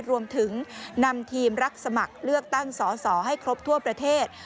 รวมถึงนำทีมรับสมัครเลือกตั้งสอสอให้ครบทั่วประเทศ